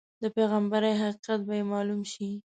د پیغمبرۍ حقیقت به یې معلوم شي.